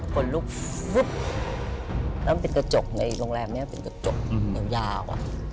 คนลุกวึ๊บแล้วมันเป็นกระจกในโรงแรมนี้เป็นกระจกยาว